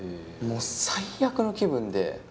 もう最悪の気分で。